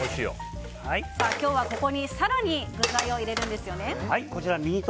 今日はここに更に具材を入れるんですよね。